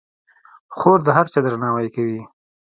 خور د هر چا درناوی کوي.